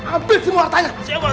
ambil semua tanya siap bos